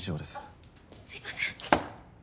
あっすいません。